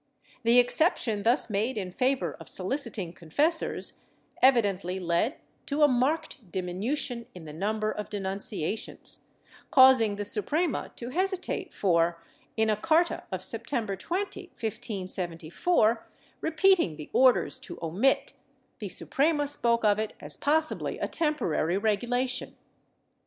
The exception thus made in favor of sohciting confessors evidently led to a marked diminution in the number of denunciations, causing the Suprema to hesitate for, in a carta of September 20, 1574, repeating the orders to omit, the Suprema spoke of it as possibly a temporary regulation.